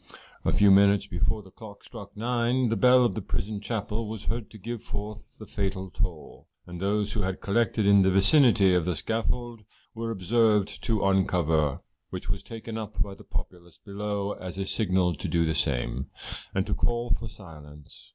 A few minutes before the clock struck nine, the bell of the prison chapel was heard to give forth the fatal toll, and those who had collected in the vicinity of the scaffold were observed to uncover, which was taken up by the populace below as a signal to do the same, and to call for silence.